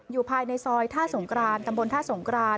อยู่ภายในซอยท่าสงกรานตำบลท่าสงกราน